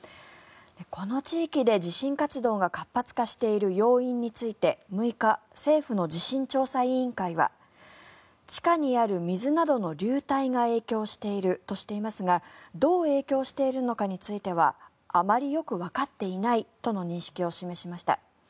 この地域で地震活動が活発化している要因について６日、政府の地震調査委員会は地下にある水などの流体が影響しているとしていますがどう影響しているのかについてはあまりよくわかっていないとの認識を示しました。